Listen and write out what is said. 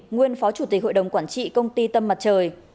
nguyên phó chủ tịch hội đồng quản trị công ty tâm mặt trời